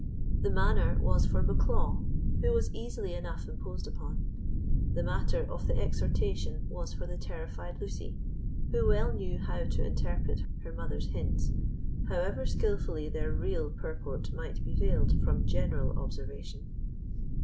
The manner was for Bucklaw, who was easily enough imposed upon; the matter of the exhortation was for the terrified Lucy, who well knew how to interpret her mother's hints, however skilfully their real purport might be veiled from general observation.